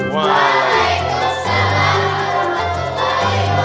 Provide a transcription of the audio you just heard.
waalaikumsalam warahmatullahi wabarakatuh